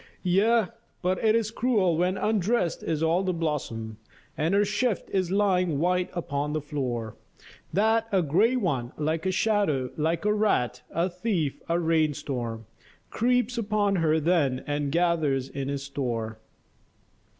Yea, but it is cruel when undressed is all the blossom, And her shift is lying white upon the floor, That a grey one, like a shadow, like a rat, a thief, a rain storm Creeps upon her then and gathers in his store.